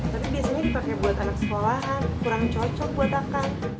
tapi biasanya dipakai buat anak sekolahan kurang cocok buat makan